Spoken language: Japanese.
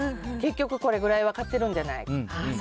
結局これぐらいは買ってるんじゃない？